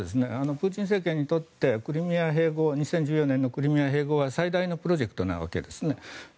プーチン政権にとって２０１４年のクリミア併合は最大のプロジェクトなわけですね。